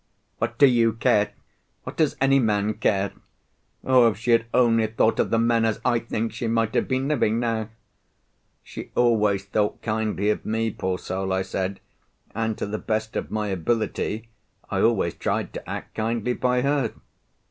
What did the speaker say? "What do you care? What does any man care? Oh! if she had only thought of the men as I think, she might have been living now!" "She always thought kindly of me, poor soul," I said; "and, to the best of my ability, I always tried to act kindly by her."